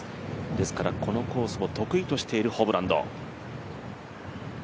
ですから、このコースを得意としているホブランド。